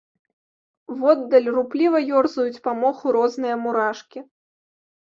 Воддаль рупліва ёрзаюць па моху розныя мурашкі.